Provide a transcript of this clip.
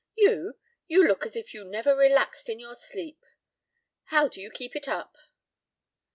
"You? You look as if you never relaxed in your sleep. How do you keep it up?"